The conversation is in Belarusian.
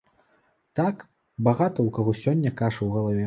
Так, багата ў каго сёння каша ў галаве.